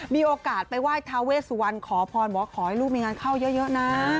มีโอกาสไปไหว้ทาเวสวันขอพรบอกว่าขอให้ลูกมีงานเข้าเยอะนะ